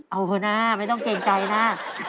เอาเถอะนะไม่ต้องเกรงใจนะ